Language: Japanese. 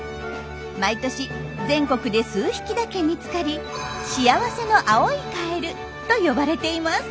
毎年全国で数匹だけ見つかり「幸せの青いカエル」と呼ばれています。